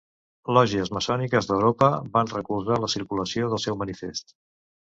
Lògies maçòniques d'Europa van recolzar la circulació del seu manifest.